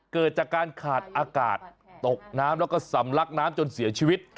เกิดจากการขาดอากาศตกน้ำแล้วก็สำลักน้ำจนเสียชีวิต